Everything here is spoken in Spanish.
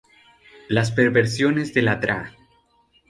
Las perversiones de la Dra.